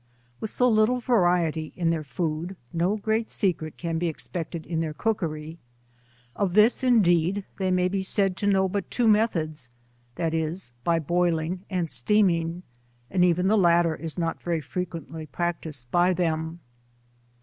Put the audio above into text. With so little va riety in their food, no great secret can be expected io their cookery. Of this, indeed, they may be said to know but two methods viz. by boiling and steaming, and even the latter is not very frequent ly practised by them.